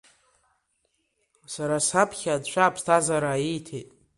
Сара саԥхьа Анцәа аԥсҭазаара ииҭеит…